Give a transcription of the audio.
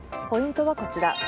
ポイントはこちら。